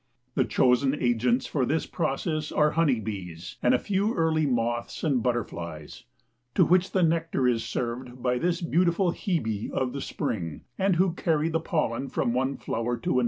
The chosen agents for this process are honey bees, and a few early moths and butterflies, to which the nectar is served by this beautiful Hebe of the spring and who carry the pollen from one flower to another.